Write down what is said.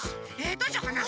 どうしようかな？